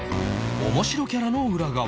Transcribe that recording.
面白キャラの裏側